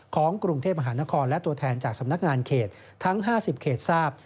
ของกรุงเทพมหานครและตัวแทนจากสำนักงานเขตทั้ง๕๐เขตทราบ